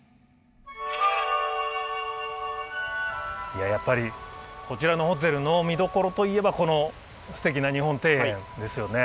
いややっぱりこちらのホテルの見どころといえばこのすてきな日本庭園ですよね。